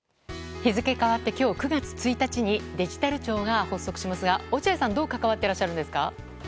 日付変わって今日９月１日にデジタル庁が発足しますが落合さんどう関わっているんですか。